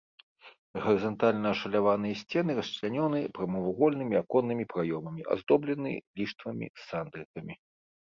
Гарызантальна ашаляваныя сцены расчлянёны прамавугольнымі аконнымі праёмамі, аздоблены ліштвамі з сандрыкамі.